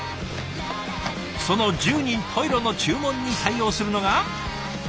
その十人十色の注文に対応するのが。